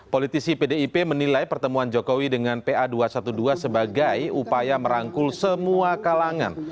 politisi pdip menilai pertemuan jokowi dengan pa dua ratus dua belas sebagai upaya merangkul semua kalangan